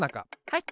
はい！